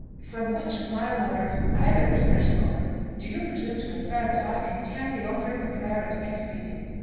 From which of my words, either written or spoken, do you presume to infer that I contemn the offering of prayer and thanksgiving?"